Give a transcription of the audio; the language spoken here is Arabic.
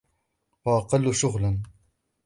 وَأَقَلُّ شُغْلًا